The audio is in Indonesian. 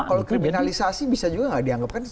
kalau kriminalisasi bisa juga nggak dianggapkan